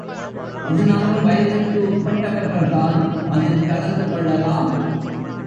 பதினாறு வயதுக்கு உட்பட்டவர்கள்தான் அதில் கலந்து கொள்ளலாம்.